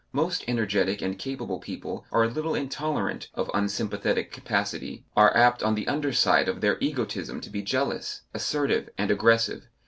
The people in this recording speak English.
Most energetic and capable people are a little intolerant of unsympathetic capacity, are apt on the under side of their egotism to be jealous, assertive, and aggressive.